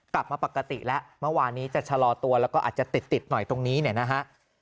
กลับมาปกติแล้วเมื่อวานนี้จะชะลอตัวแล้วก็อาจจะติดหน่อยตรงนี้เนี่ยนะฮะ